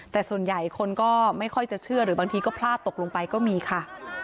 แต่ส่วนใหญ่คนก็ไม่ค่อยจะเชื่อหรือบางทีก็พลาดตกลงไปก็มีค่ะ